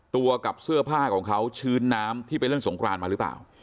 กับเสื้อผ้าของเขาชื้นน้ำที่ไปเล่นสงครานมาหรือเปล่า